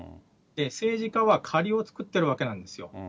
政治家は借りを作ってるわけなんですよ。